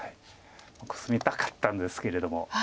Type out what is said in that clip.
コスみたかったんですけれども。